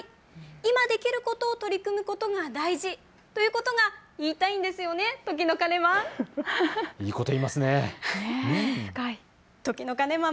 今できることを取り組むことが大事ということが言いたいんですよね、時の鐘マン。